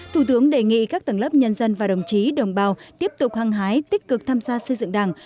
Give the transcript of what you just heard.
thủ tướng đề nghị các tầng lớp nhân dân và đồng chí đồng bào tiếp tục hăng hái tích cực tham gia xây dựng đảng